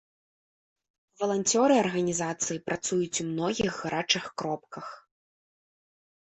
Валанцёры арганізацыі працуюць у многіх гарачых кропках.